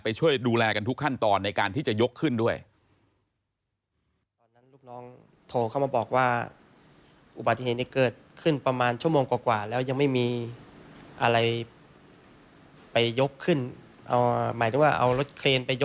ช่วยดูแลกันทุกขั้นตอนในการที่จะยกขึ้นด้วย